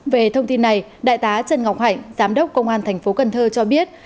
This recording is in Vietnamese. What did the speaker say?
về thông tin này đại tá trần ngọc hạnh giám đốc công an thành phố cần thơ cho biết